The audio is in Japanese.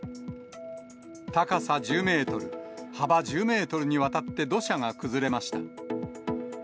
高さ１０メートル、幅１０メートルにわたって土砂が崩れました。